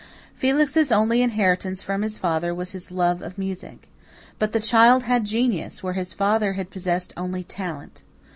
Felix's only inheritance from his father was his love of music. But the child had genius, where his father had possessed only talent.